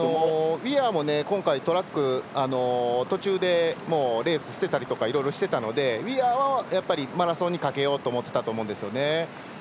ウィアーも今回トラック、途中でレース捨てたりとかいろいろしてたのでウィアーはマラソンにかけようと思っていたと思うんですよね。